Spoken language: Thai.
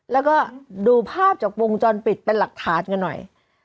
แล้วก็ดูภาพจากวงจรปิดเป็นหลักฐานกันหน่อย